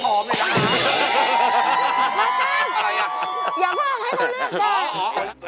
อย่าพลาดให้เขาเลือกก่อน